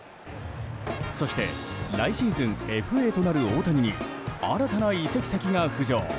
そして来シーズンＦＡとなる大谷に新たな移籍先が浮上。